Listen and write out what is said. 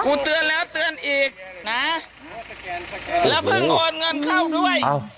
เตือนแล้วเตือนอีกนะแล้วเพิ่งโอนเงินเข้าด้วย